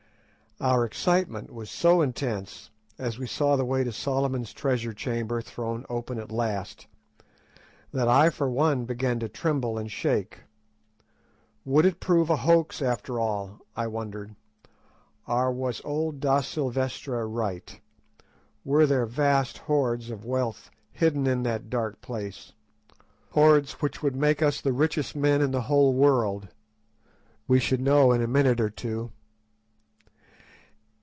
Our excitement was so intense, as we saw the way to Solomon's treasure chamber thrown open at last, that I for one began to tremble and shake. Would it prove a hoax after all, I wondered, or was old Da Silvestra right? Were there vast hoards of wealth hidden in that dark place, hoards which would make us the richest men in the whole world? We should know in a minute or two.